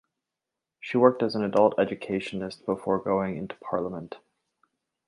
She worked as an adult educationist before going into parliament.